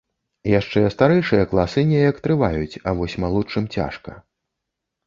Яшчэ старэйшыя класы неяк трываюць, а вось малодшым цяжка.